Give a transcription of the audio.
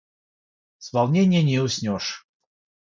С волнения не уснешь.